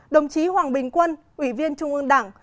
đồng chí hoàng bình quân ủy viên trung ương đảng